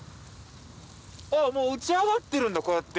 もう打ち上がってるんだこうやって。